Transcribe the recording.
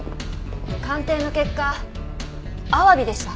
鑑定の結果アワビでした。